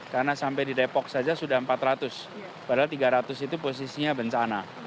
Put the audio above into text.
karena sampai di repok saja sudah empat ratus padahal tiga ratus itu posisinya bencana